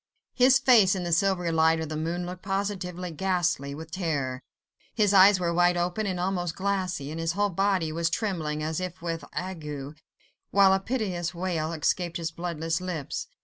His face in the silvery light of the moon looked positively ghastly with terror: his eyes were wide open and almost glassy, and his whole body was trembling, as if with ague, while a piteous wail escaped his bloodless lips.